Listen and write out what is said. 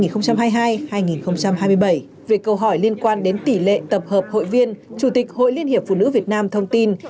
về câu hỏi liên quan đến tỷ lệ tập hợp hội viên chủ tịch hội liên hiệp phụ nữ việt nam thông tin